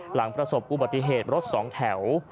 หลังประสบอุบัติเหตุรถสองแถว